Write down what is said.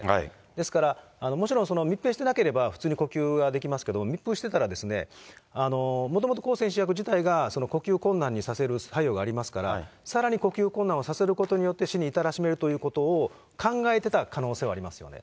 ですから、もちろん密閉していなければ、普通に呼吸はできますけれども、密封していましたら、もともと向精神薬自体が呼吸困難にさせる作用がありますから、さらに呼吸困難をさせることによって、死に至らしめるということを考えてた可能性はありますね。